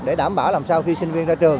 để đảm bảo làm sao khi sinh viên ra trường